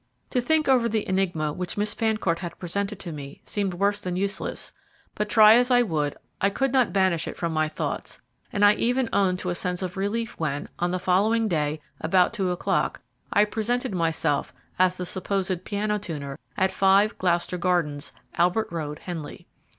To think over the enigma which Miss Fancourt had presented to me seemed worse than useless; but, try as I would, I could not banish it from my thoughts; and I even owned to a sense of relief when, on the following day, about two o'clock, I presented myself, as the supposed piano tuner, at 5, Gloucester Gardens, Albert Road, Henley.